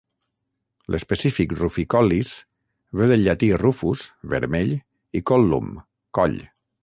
L"específic "ruficollis" ve del llatí "rufus" (vermell) i "collum" (coll).